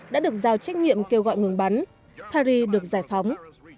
đã được giao trách nhiệm kêu gọi ngừng bắn paris được giải phóng